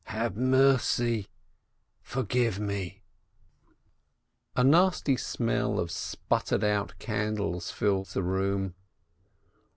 — Have mercy !— Forgive me !" VII A nasty smell of sputtered out candles fills the room.